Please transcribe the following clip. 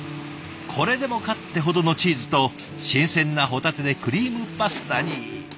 これでもかってほどのチーズと新鮮なホタテでクリームパスタに。